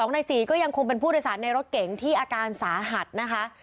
ใน๔ก็ยังคงเป็นผู้โดยสารในรถเก๋งที่อาการสาหัสนะคะ